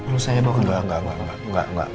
lu saya bawa ke atas